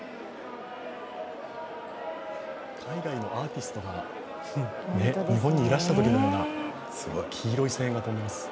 海外のアーティストが日本にいらしたときのような、黄色い声援が飛んでいます。